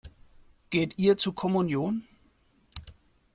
Geht ihr zur Kommunion?